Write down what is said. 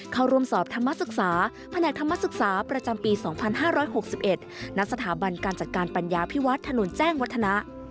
เข้าร่วมสอบธรรมศึกษาแผนกธรรมศึกษาประจำปี๒๕๖๑ณสถาบันการจัดการปัญญาพิวัฒน์ถนนแจ้งวัฒนะ